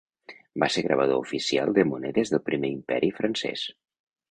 Va ser gravador oficial de monedes del Primer Imperi francès.